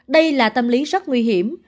đây là tâm lý rất nguy hiểm